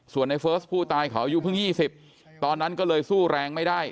ส่วนในเฟิร์สผู้ตายเขาอายุเพิ่ง๒๐ตอนนั้นก็เลยสู้แรงไม่ได้